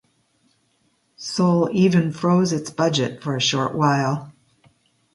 Seoul even froze its budget for a short while.